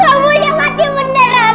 lampunya mati menderan